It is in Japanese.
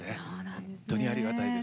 本当にありがたいです。